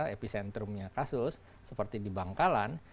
epicentrumnya kasus seperti di bangkalan